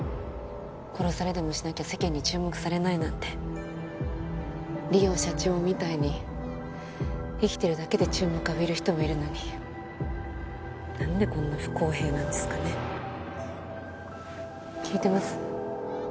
殺されでもしなきゃ世間に注目されないなんて梨央社長みたいに生きてるだけで注目浴びる人もいるのに何でこんな不公平なんですかね聞いてます？